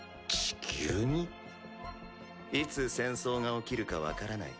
いつ戦争が起きるか分からない。